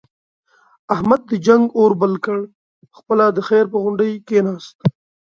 احمد د جنگ اور بل کړ، په خپله د خیر په غونډۍ کېناست.